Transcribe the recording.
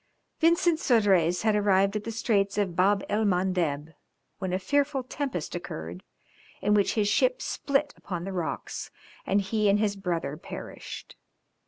Vincent Sodrez had arrived at the Straits of Bab el Mandeb, when a fearful tempest occurred, in which his ship split upon the rocks, and he and his brother perished.